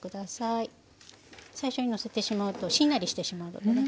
最初にのせてしまうとしんなりしてしまうのでね。